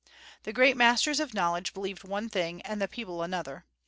The great masters of knowledge believed one thing and the people another.